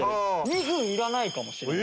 ２分いらないかもしれない。